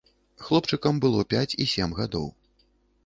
Хлопчыкам было пяць і сем гадоў.